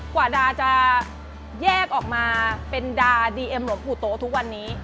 กว่าดาจะแยกออกมาเป็นดาดีเอ็มหลวงปู่โตทุกวันนี้